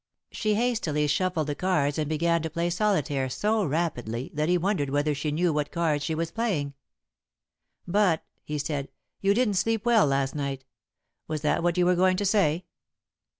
She hastily shuffled the cards and began to play solitaire so rapidly that he wondered whether she knew what cards she was playing. "But," he said, "you didn't sleep well last night. Was that what you were going to say?"